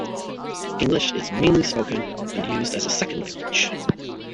English is mainly spoken and used as a second language.